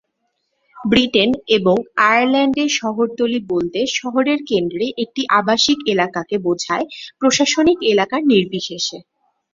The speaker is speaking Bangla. ব্রিটেন এবং আয়ারল্যান্ডে শহরতলি বলতে শহরের কেন্দ্রে একটি আবাসিক এলাকাকে বোঝায়, প্রশাসনিক এলাকা নির্বিশেষে।